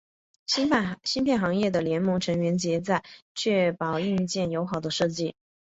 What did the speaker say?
芯片行业的联盟成员旨在确保硬件友好的设计。